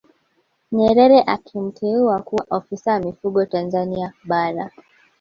Nyerere akamteua kuwa Afisa Mifugo Tanzania Bara